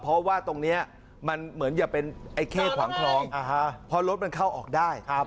เพราะว่าตรงนี้มันเหมือนอย่าเป็นไอ้เข้ขวางคลองเพราะรถมันเข้าออกได้